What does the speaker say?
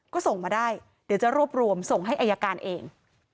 ก็ส่งมาได้เดี๋ยวจะรวบรวมส่งให้อายการเอง